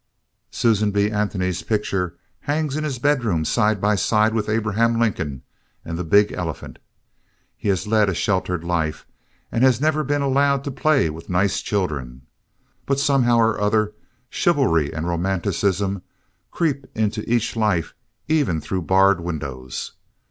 Susan B. Anthony's picture hangs in his bedroom side by side with Abraham Lincoln and the big elephant. He has led a sheltered life and has never been allowed to play with nice children. But, somehow or other, chivalry and romanticism creep into each life even through barred windows.